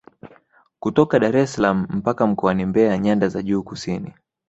Kutokea Daressalaam mpaka mkoani Mbeya nyanda za juu kusini